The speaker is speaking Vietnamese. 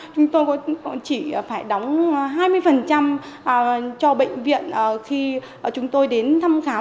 chúng tôi chỉ phải đóng hai mươi cho bệnh viện khi chúng tôi đến thăm khám